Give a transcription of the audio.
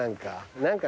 何か。